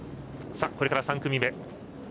これから３組目。